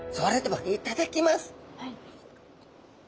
はい。